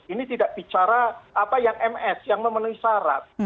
ini tidak bicara apa yang ms yang memenuhi syarat